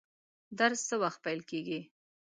درس څه وخت پیل کیږي؟